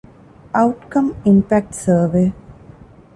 އައުޓްކަމް އިމްޕެކްޓް ސަރވޭ